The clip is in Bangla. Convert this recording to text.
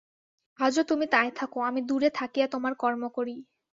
আজও তুমি তাই থাকো–আমি দূরে থাকিয়া তোমার কর্ম করি।